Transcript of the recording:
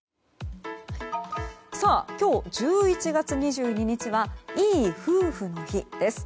今日、１１月２２日はいい夫婦の日です。